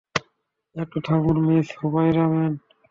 একটু থামুন, Miss Huberman.